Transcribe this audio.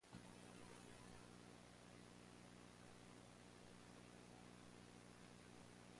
Then she worked at King Abdul Aziz University for one year.